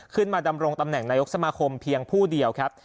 ดำรงตำแหน่งนายกสมาคมเพียงผู้เดียวครับ